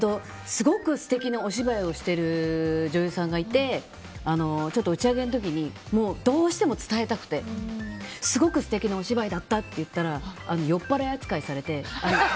すごく素敵にお芝居をしてる女優さんがいて打ち上げの時にどうしても伝えたくてすごく素敵なお芝居だったって言ったら酔っ払い扱いされて。